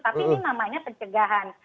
tapi ini namanya pencegahan